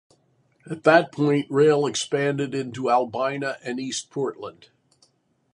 At that point, rail expanded into Albina and East Portland.